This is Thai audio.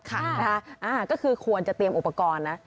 ก็คือควรจะเตรียมอุปกรณ์นะ